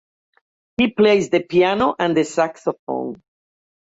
He plays the piano and the saxophone.